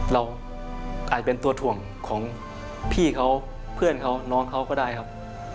เรากลายเป็นตัวถ่วงของพี่เขาเพื่อนเขาน้องเขาก็ได้ครับ